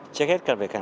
chắc hết cả về cảnh sát